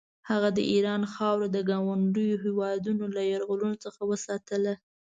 هغه د ایران خاوره د ګاونډیو هېوادونو له یرغلونو څخه وساتله.